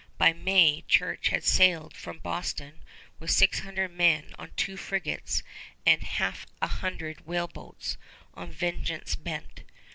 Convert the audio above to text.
By May, Church had sailed from Boston with six hundred men on two frigates and half a hundred whaleboats, on vengeance bent.